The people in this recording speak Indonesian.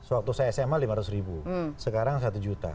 waktu saya sma lima ratus ribu sekarang satu juta